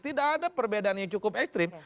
tidak ada perbedaan yang cukup ekstrim